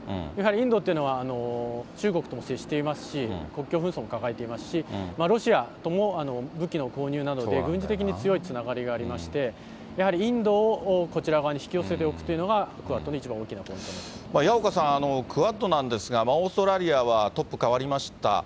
インドっていうのは中国とも接していますし、国境紛争も抱えていますし、ロシアとも武器の購入などで軍事的に強いつながりがありまして、やはりインドをこちら側に引き寄せておくというのがクアッドの一矢岡さん、クアッドなんですが、オーストラリアはトップ代わりました。